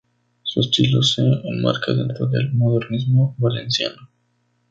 Su estilo se enmarca dentro del modernismo valenciano.